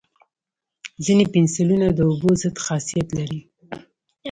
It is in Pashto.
ځینې پنسلونه د اوبو ضد خاصیت لري.